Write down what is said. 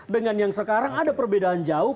dengan yang sekarang ada perbedaan jauh